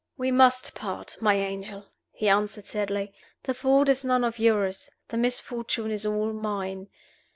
"We must part, my angel," he answered, sadly. "The fault is none of yours; the misfortune is all mine.